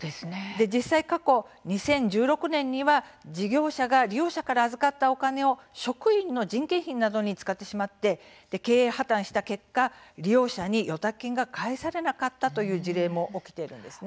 実際、過去、２０１６年には事業者が利用者から預かったお金を職員の人件費などに使ってしまって経営破綻した結果利用者に預託金が返されなかったという事例も起きているんですね。